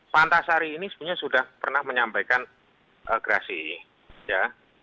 pak antasari ini sebenarnya sudah pernah menyampaikan grasi ya